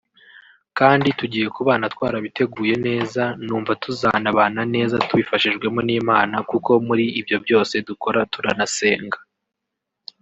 kandi tugiye kubana twarabiteguye neza numva tuzanabana neza tubifashjwemo n’Imana kuko muri ibyo byose dukora turanasenga